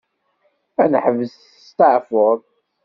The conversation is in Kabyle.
Ad neḥbes testaɛfuḍ.